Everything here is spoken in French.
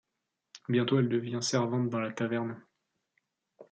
Bientôt elle devient servante dans la taverne.